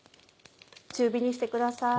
中火にしてください。